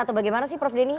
atau bagaimana sih prof denny